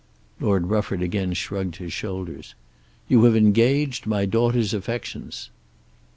Lord Rufford again shrugged his shoulders. "You have engaged my daughter's affections."